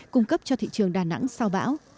cung cấp cho thị trường đà nẵng sau bão